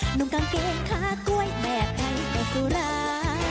หนุ่มกางเกงคาดกล้วยแม่ใครก็สุรา